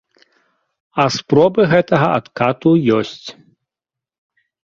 А спробы гэтага адкату ёсць.